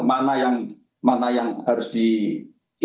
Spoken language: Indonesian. mana yang harus dilakukan